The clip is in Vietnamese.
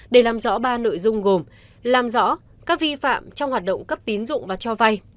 để làm rõ ba nội dung gồm làm rõ các vi phạm trong hoạt động cấp tín dụng và cho vay